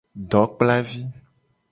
Dokplavi.